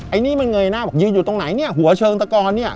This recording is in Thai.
อันนี้มันเงยหน้าบอกยืนอยู่ตรงไหนเนี่ยหัวเชิงตะกอนเนี่ย